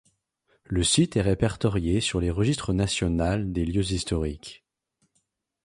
Le site est répertorié sur le Registre national des lieux historiques.